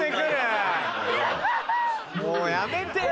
もうやめてよ。